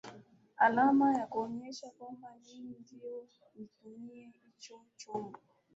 alama ya kuonyesha kwamba mimi ndio nitumie hicho chombo